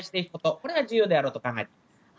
これが重要であろうと考えています。